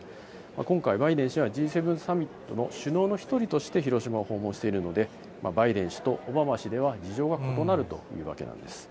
今回、バイデン氏はＧ７サミットの首脳の１人として広島を訪問しているので、バイデン氏とオバマ氏では事情が異なるというわけなんです。